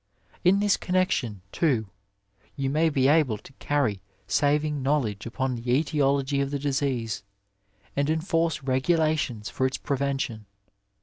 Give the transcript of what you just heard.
In this connexion, too, yon may be able to carry saving knowledge upon the etiology of the disease, and enforce regulations for its prevention.